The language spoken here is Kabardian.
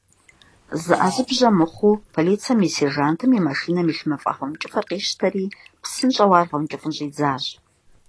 ЗыӀэзыбжьэ мыхъуу, полицэм и сержантым и машинэм илъ мафӀэгъэункӀыфӀыр къищтэри, псынщӀэу ар гъэункӀыфӀын щӀидзащ.